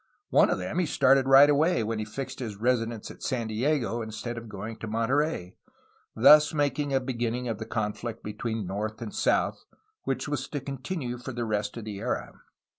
One of them he started right away when he fixed his residence at San Diego, instead of going to Monterey, thus making a beginning of the conflict between north and south which was to continue for the rest of the era.